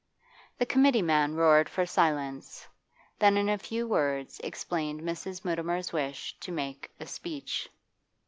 The committee man roared for silence, then in a few words explained Mrs. Mutimer's wish to make 'a speech.